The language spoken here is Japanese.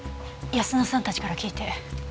泰乃さんたちから聞いて。